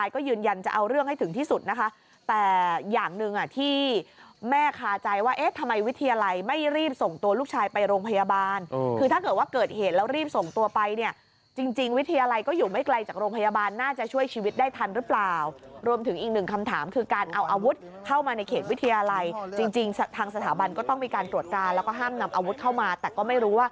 ก็ไม่รู้ว่าหลุดรอดไปได้ยังไงนะคะ